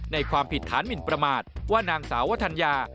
ความผิดฐานหมินประมาทว่านางสาววทัญญา